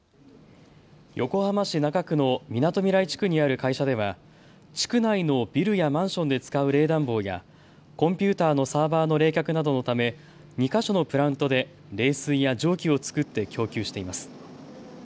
横浜市中区のみなとみらい地区にある会社では地区内のビルやマンションで使う冷暖房やコンピューターのサーバーの冷却などのため２か所のプラントで冷水や蒸気を作って供給しています。